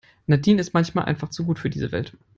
Nadine ist manchmal einfach zu gut für die Welt.